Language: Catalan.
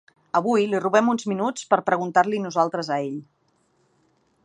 Avui li robem uns minuts per preguntar-li nosaltres a ell.